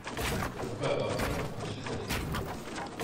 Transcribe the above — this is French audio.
Pourquoi avoir peur quand je suis avec vous ?